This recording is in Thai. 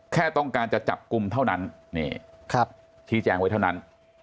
แค่ต้องการจะจับกลุ่มเท่านั้นนี่ชี้แจงไว้เท่านั้น